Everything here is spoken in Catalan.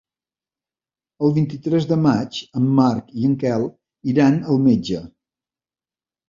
El vint-i-tres de maig en Marc i en Quel iran al metge.